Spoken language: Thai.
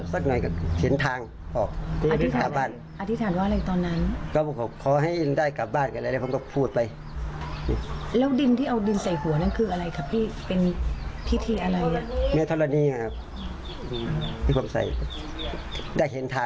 ได้เห็นทางกลับบ้านแล้วก็เจอขวดน้ำนี่แหละ